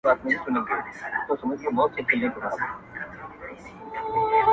ما خپل پښتون او خپل ياغي ضمير كي.